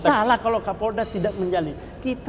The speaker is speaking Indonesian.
salah kalau kapolda tidak menjalin